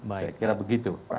saya kira begitu